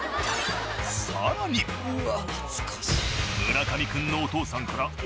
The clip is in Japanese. ［さらに村上君のお父さんから］